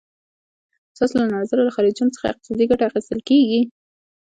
ستاسو له نظره له خلیجونو څخه اقتصادي ګټه اخیستل کېږي؟